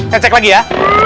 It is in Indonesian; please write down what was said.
saya cek lagi ya